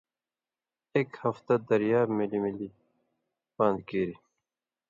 اېک ہفتہ دریاب مِلی مِلی پان٘د کیریۡ۔